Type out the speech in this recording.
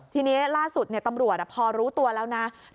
ทีนี้ล่าสุดตำรวจพอรู้ตัวแล้วนะ